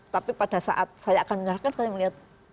tapi pada saat saya akan menyerahkan saya melihat